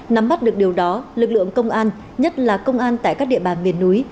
nắm bắt được điều đó lực lượng công an nhất là công an tại các địa bàn miền núi